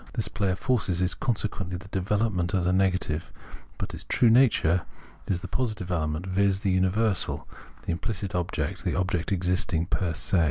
This play of forces is consequently the development of the negative ; but its true nature is the positive element, viz. the universal, the implicit object, the object existing 'per se.